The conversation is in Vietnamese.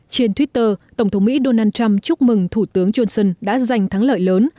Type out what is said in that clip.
trên twitter tổng thống mỹ donald trump chúc mừng thủ tướng johnson đã giành thắng lợi lớn